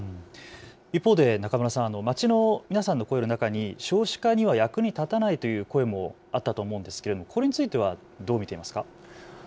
一方で中村さん、街の皆さんの声中に少子化には役に立たないという声もあったと思うんですけれども、これについてはどう見ていますか。